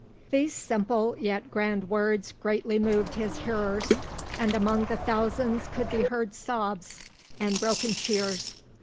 These simple yet grand words greatly moved his hearers, and among the thousands could be heard sobs and broken cheers.